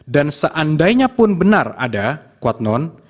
dan seandainya pun benar ada kuat non